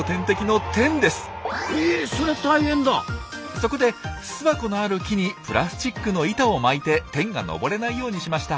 そこで巣箱のある木にプラスチックの板を巻いてテンが登れないようにしました。